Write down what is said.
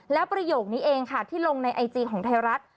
แล้วประโยคนี้เองค่ะที่ลงในไอจีของไทยรัฐ